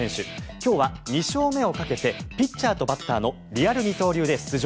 今日は２勝目をかけてピッチャーとバッターのリアル二刀流で出場。